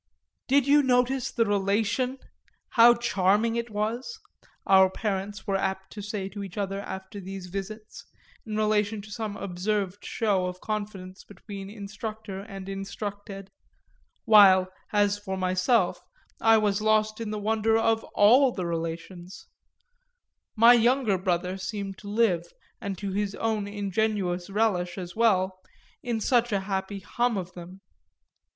"Did you notice the relation how charming it was?" our parents were apt to say to each other after these visits, in reference to some observed show of confidence between instructor and instructed; while, as for myself, I was lost in the wonder of all the relations my younger brother seemed to live, and to his own ingenuous relish as well, in such a happy hum of them.